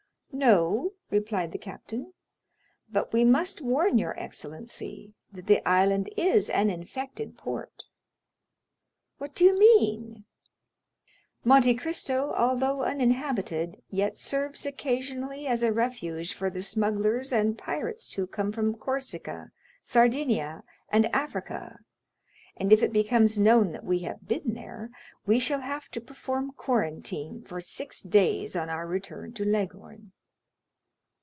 "No." replied the captain, "but we must warn your excellency that the island is an infected port." "What do you mean?" "Monte Cristo although uninhabited, yet serves occasionally as a refuge for the smugglers and pirates who come from Corsica, Sardinia, and Africa, and if it becomes known that we have been there, we shall have to perform quarantine for six days on our return to Leghorn."